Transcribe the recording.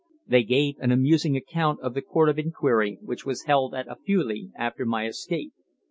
They gave an amusing account of the court of inquiry which was held at Afule after my escape.